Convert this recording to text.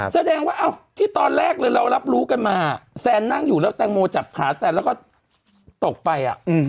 แสดงว่าที่ตอนแรกเลยเรารับรู้กันมาแซนนั่งอยู่แล้วแตงโมจับขาแซนแล้วก็ตกไป